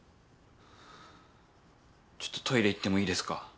ちょっとトイレ行ってもいいですか？